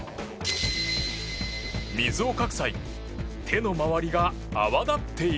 水をかく際手の周りが泡立っている。